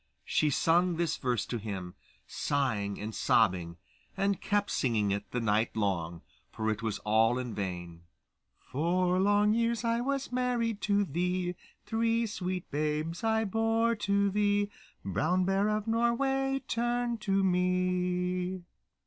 She sung this verse to him, sighing and sobbing, and kept singing it the night long, and it was all in vain: Four long years I was married to thee; Three sweet babes I bore to thee; Brown Bear of Norway, turn to me.